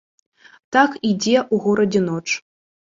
Так ідзе ў горадзе ноч.